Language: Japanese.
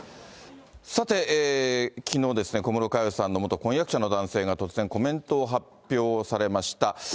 さて、きのうですね、小室佳代さんの元婚約者の男性が突然、コメントを発表されました。